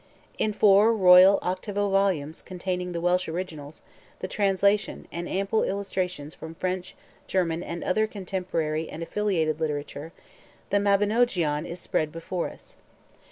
In four royal octavo volumes containing the Welsh originals, the translation, and ample illustrations from French, German, and other contemporary and affiliated literature, the Mabinogeon is spread before us.